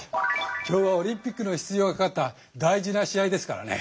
今日はオリンピックの出場がかかった大事な試合ですからね。